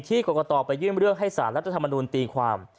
กรกตไปยื่นเรื่องให้สารรัฐธรรมนูลตีความ